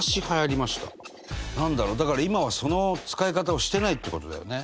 だから今は、その使い方をしてないって事だよね。